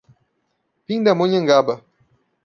Pindamonhangaba